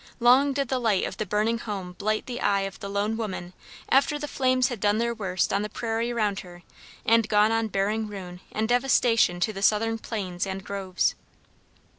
Long did the light of the burning home blight the eye of the lone woman after the flames had done their worst on the prairie around her and gone on bearing ruin and devastation to the southern plains and groves.